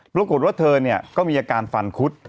ปรากฏว่าเธอก็มีอาการฟันคุด